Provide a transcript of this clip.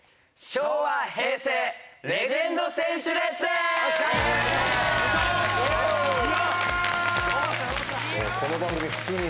昭和平成のレジェンド選手列伝でございます。